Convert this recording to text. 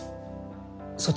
そっち